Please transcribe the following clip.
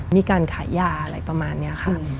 มีการขายยาอะไรประมาณนี้ค่ะ